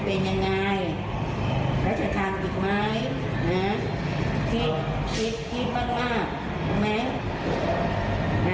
ขณะที่อยู่ในห้องเนี่ยว่าเราทำไปเพราะอะไรทำไมถึงทำ